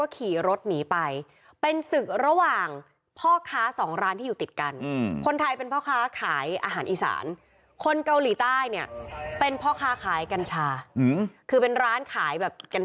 อ๋อเข้าขานะเข้าขาค่ะเจ็บสอง